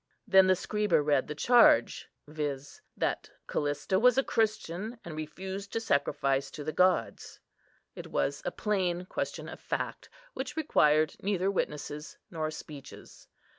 Then the scriba read the charge—viz., that Callista was a Christian, and refused to sacrifice to the gods. It was a plain question of fact, which required neither witnesses nor speeches.